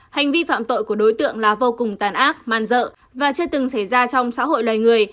hành vi phạm tội của đối tượng là vô cùng tàn ác man dợ và chưa từng xảy ra trong xã hội loài người